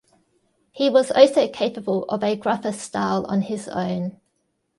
He was also capable of a gruffer style on his own.